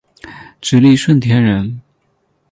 直隶顺天人。